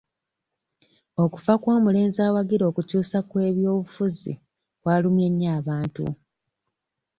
Okufa kw'omulenzi awagira okukyusa kw'ebyobufuzi kwalumye nnyo abantu.